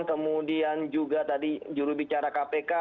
kemudian juga tadi juru bicara kpk